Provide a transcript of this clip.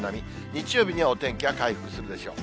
日曜日にはお天気は回復するでしょう。